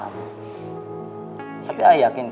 aku tak peduli sangat